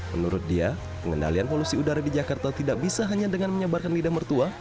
menurut dia pengendalian polusi udara di jakarta tidak bisa hanya dengan menyebarkan lidah mertua